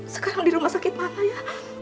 sekarang di rumah sakit mana ya